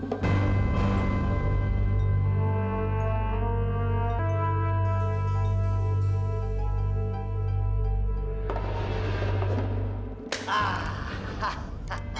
kalau begini caranya